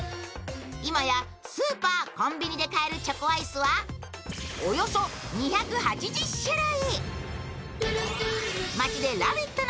今やスーパー、コンビニで買えるチョコアイスはおよそ２８０種類。